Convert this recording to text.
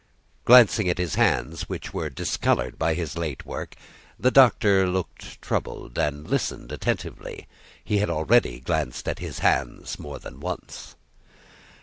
Glancing at his hands, which were discoloured by his late work, the Doctor looked troubled, and listened attentively. He had already glanced at his hands more than once.